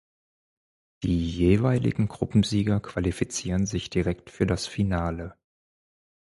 Die jeweiligen Gruppensieger qualifizieren sich direkt für das Finale.